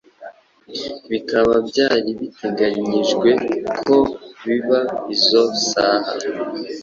bikaba byari biteganyijwe ko biba izo saha